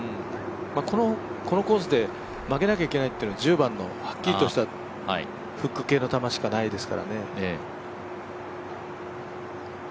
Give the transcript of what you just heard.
このコースで曲げなきゃいけないっていうのは１０番のはっきりとしたフック系の球しかないですからね。